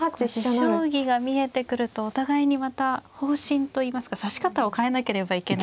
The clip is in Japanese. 持将棋が見えてくるとお互いにまた方針といいますか指し方を変えなければいけないので。